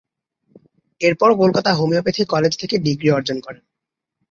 এর পর Kolkata homeopathic college থেকেও ডিগ্রী অর্জন করেন।